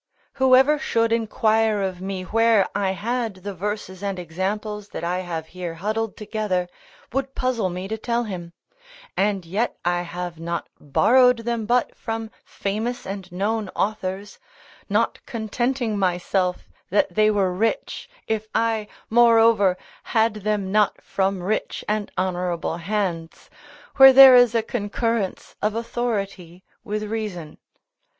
Whoever should inquire of me where I had the verses and examples, that I have here huddled together, would puzzle me to tell him, and yet I have not borrowed them but from famous and known authors, not contenting myself that they were rich, if I, moreover, had them not from rich and honourable hands, where there is a concurrence of authority with reason.